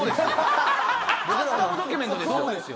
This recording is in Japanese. カスタムドキュメントですよ。